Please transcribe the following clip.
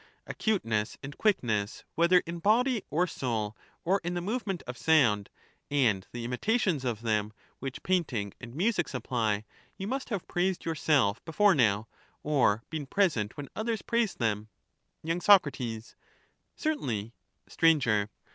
Acuteness and quickness, whether in body or soul or in the movement of sound, and the imitations of them which painting and music supply, you must have praised yourself before now, or been present when others praised them, y. Soc. Certainly. Str.